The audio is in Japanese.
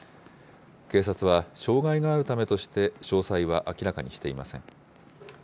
警察は、障害があるためとして詳細は明らかにしていません。